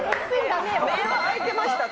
目は開いてましたよ。